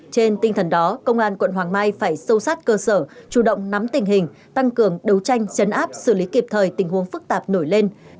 trên tinh thần đó công an quận hoàng mai phải sâu sát cơ sở chủ động nắm tình hình tăng cường đấu tranh chấn áp xử lý kịp thời tình huống phức tạp nổi lên